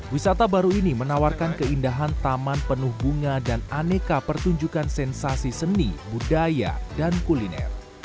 wisata baru ini menawarkan keindahan taman penuh bunga dan aneka pertunjukan sensasi seni budaya dan kuliner